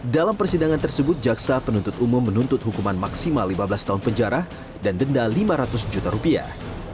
dalam persidangan tersebut jaksa penuntut umum menuntut hukuman maksimal lima belas tahun penjara dan denda lima ratus juta rupiah